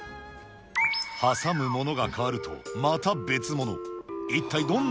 挟むものが変わるとまた別物。